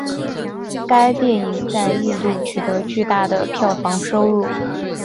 该电影在印度取得巨大的票房收入。